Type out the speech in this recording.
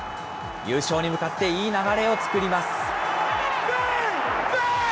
優勝に向かっていい流れを作ります。